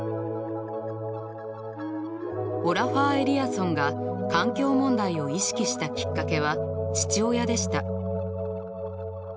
オラファー・エリアソンが環境問題を意識したきっかけは父親でした。